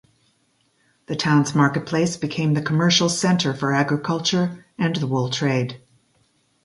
The town's Market Place became the commercial centre for agriculture and the wool trade.